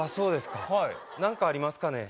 はい何かありますかね